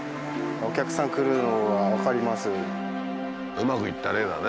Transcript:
うまくいった例だね。